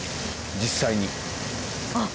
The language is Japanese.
実際にあっ